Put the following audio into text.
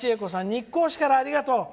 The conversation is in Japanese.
日光市からありがとう！